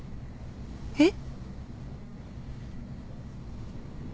えっ？